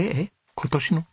今年の？